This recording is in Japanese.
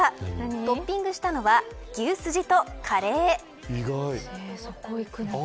トッピングしたのは牛スジとカレー。